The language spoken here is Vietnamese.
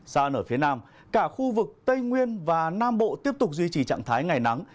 sao ơn ở phía nam cả khu vực tây nguyên và nam bộ tiếp tục duy trì trạng thái ngày nắng